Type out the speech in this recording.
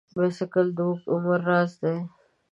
بایسکل د اوږده عمر راز دی.